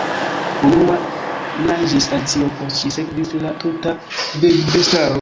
Unua naĝis Alicio; post ŝi sekvis la tuta birdbestaro.